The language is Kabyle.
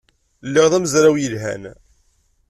Lliɣ d amezraw yelhan.